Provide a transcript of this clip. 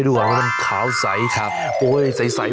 ฟื้บเข้าไป